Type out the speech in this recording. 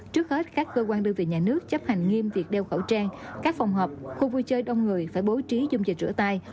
trước hết các cơ quan đơn vị nhà nước chấp hành nghiêm việc đeo khẩu trang các phòng họp khu vui chơi đông người phải bố trí dung dịch rửa tay